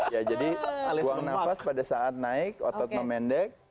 ya jadi buang nafas pada saat naik otot memendek